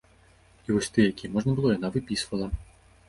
І вось тыя, якія можна было, яна выпісвала.